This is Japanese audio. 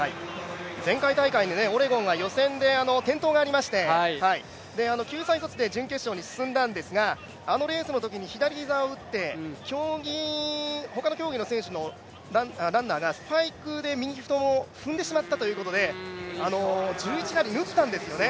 前回大会でオレゴンが予選で転倒がありまして、救済措置で準決勝に進んだんですが、あのレースのときに左膝を打って、他の競技のランナーがスパイクで右太ももを踏んでしまったということで１１針縫ったんですよね。